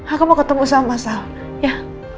aku mau ketemu sama sal ya